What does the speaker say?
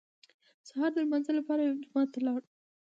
سهار د لمانځه لپاره یو جومات ته لاړو.